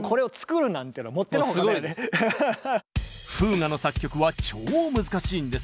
「フーガ」の作曲は超難しいんです。